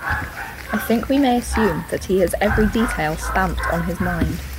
I think we may assume that he has every detail stamped on his mind.